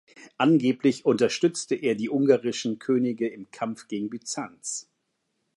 Angeblich unterstützte er die ungarischen Könige im Kampf gegen Byzanz.